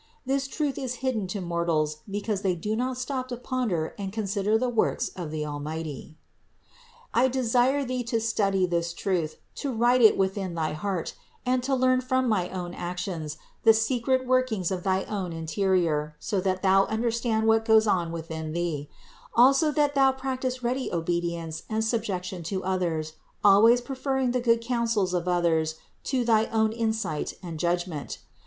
This truth is hidden to mortals because they do not stop to ponder and consider the works of the Almighty. 455. I desire thee to study this truth, to write it within THE INCARNATION 381 thy heart, and to learn from my own actions the secret workings of thy own interior so that thou understand what goes on within thee; also that thou practice ready obedience and subjection to others, always preferring the good counsels of others to thy own insight and judg ment.